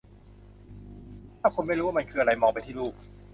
ถ้าคุณไม่รู้ว่ามันคืออะไร มองไปที่รูป